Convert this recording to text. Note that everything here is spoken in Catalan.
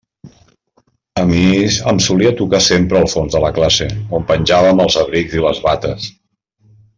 A mi em solia tocar sempre al fons de la classe, on penjàvem els abrics i les bates.